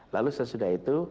lalu sesudah itu